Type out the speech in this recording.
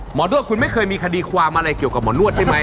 นวดคุณไม่เคยมีคดีความอะไรเกี่ยวกับหมอนวดใช่ไหม